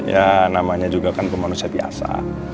ya namanya juga kan ke manusia biasa